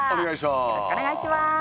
よろしくお願いします。